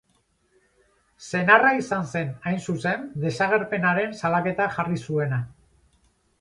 Senarra izan zen, hain zuzen, desagerpenaren salaketa jarri zuena.